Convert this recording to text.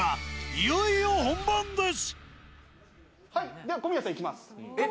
いよいよ本番です。